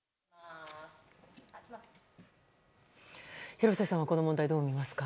廣瀬さんは、この問題どう見ますか？